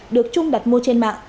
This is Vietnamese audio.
được trung đặt mua trên mạng